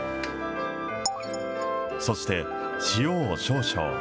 そして、塩を少々。